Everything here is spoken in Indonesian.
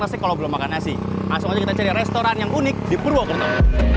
nasi kalau belum makan nasi masuk kita cari restoran yang unik di purwokerto